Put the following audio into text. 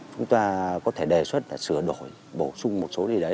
chúng ta có thể đề xuất là sửa đổi bổ sung một số điều đấy